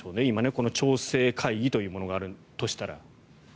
この調整会議というものがあるとしたら。